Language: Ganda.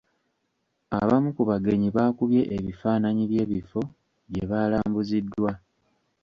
Abamu ku bagenyi baakubye ebifaananyi by'ebifo gye baalambuziddwa.